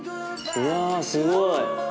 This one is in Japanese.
うわすごい。